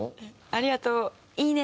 「ありがとう！いいね！」